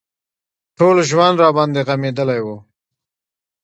ټول ژوند راباندې غمېدلى و.